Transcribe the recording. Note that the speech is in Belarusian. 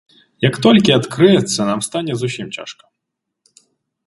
Як толькі адкрыецца, нам стане зусім цяжка.